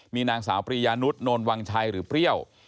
มีนางสาวปริยานุษย์วังชัยหรือเปรี้ยว